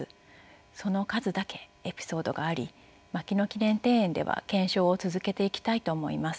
その数だけエピソードがあり牧野記念庭園では顕彰を続けていきたいと思います。